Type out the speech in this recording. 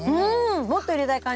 もっと入れたい感じ！